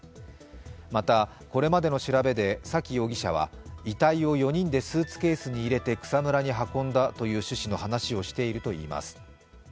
また、これまでの調べで沙喜容疑者は遺体を４人でスーツケースに入れて草むらに運んだという趣旨の話をしているといいます。